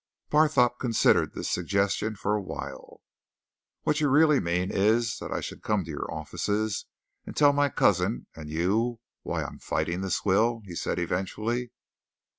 Barthorpe considered this suggestion for a while. "What you really mean is that I should come to your offices and tell my cousin and you why I am fighting this will," he said eventually.